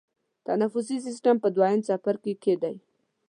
تنفسي سیستم په دویم څپرکي کې دی.